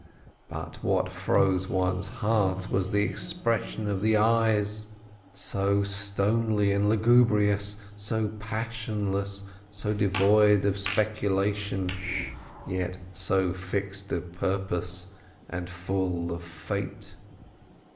But what froze one's heart was the expression of the eyes, so stony and lugubrious, so passionless, so devoid of speculation, yet so fixed of purpose and full of fate.